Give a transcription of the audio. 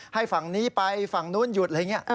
ให้ฝั่งนี้ไปฝั่งนู้นหยุดไรเงี้ย